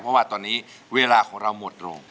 เพราะว่าตอนนี้เวลาของเราหมดลง